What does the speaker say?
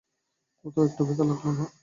কোথাও একটুও ব্যথা লাগল না।